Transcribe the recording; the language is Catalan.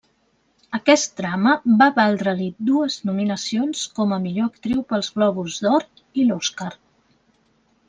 Aquest drama va valdre-li dues nominacions com a millor actriu pel Globus d'Or i l'Oscar.